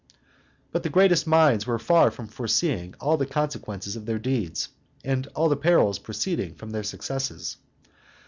But the greatest minds are far from foreseeing all the consequences of their deeds, and all the perils proceeding from their successes.